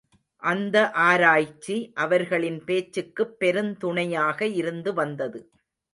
அந்த ஆராய்ச்சி அவர்களின் பேச்சுக்குப் பெருந்துணையாக இருந்து வந்தது.